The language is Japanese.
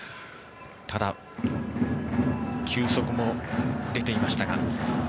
ただ、球速も出ていましたが。